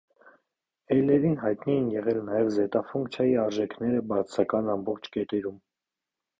Էյլերին հայտնի են եղել նաև զետա ֆունկցիայի արժեքները բացասական ամբողջ կետերում։